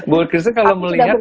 bu christine kalau melihat